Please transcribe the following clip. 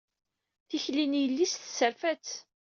Tikli n yelli-s tesserfa-tt.